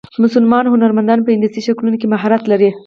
مسلمان هنرمندان په هندسي شکلونو کې مهارت لري.